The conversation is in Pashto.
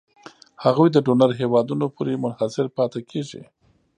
هغوی د ډونر هېوادونو پورې منحصر پاتې کیږي.